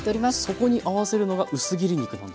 そこに合わせるのが薄切り肉なんですね。